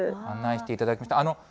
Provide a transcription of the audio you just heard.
案内していただけて。